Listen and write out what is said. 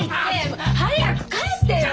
もう早く帰ってよ！